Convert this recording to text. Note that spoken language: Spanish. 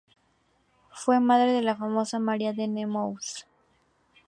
Fue madre de la famosa María de Nemours.